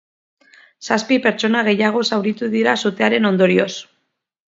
Zazpi pertsona gehiago zauritu dira, sutearen ondorioz.